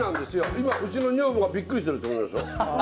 今うちの女房がびっくりしてると思いますよ。